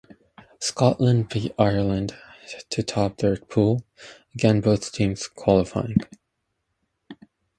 Scotland beat Ireland to top their pool, again both teams qualifying.